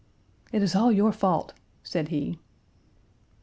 "It is all your fault," said he.